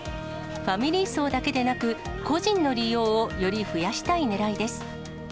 ファミリー層だけでなく、個人の利用をより増やしたいねらいです。